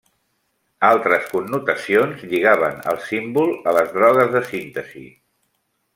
Altres connotacions lligaven el símbol a les drogues de síntesi.